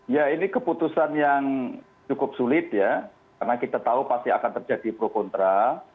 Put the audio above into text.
ya ini keputusan yang cukup sulit ya karena kita tahu pasti akan terjadi pro kontra